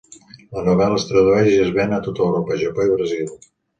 La novel·la es tradueix i es ven a tot Europa, Japó i Brasil.